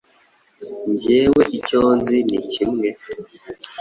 njyewe icyonzi ni kimwe,